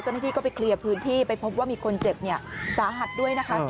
เจ้าหน้าที่ก็ไปเคลียร์พื้นที่ไปพบว่ามีคนเจ็บสาหัสด้วยนะคะ